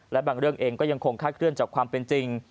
และบางเรื่องเองก็ยังคงคาดเคลื่อนจากความเป็นจริง